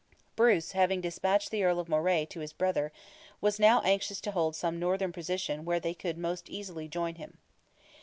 Bruce, having despatched the Earl of Moray to his brother, was now anxious to hold some northern position where they could most easily join him.